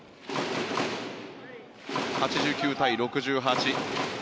８９対６８。